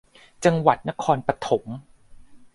จังหวัดนครปฐม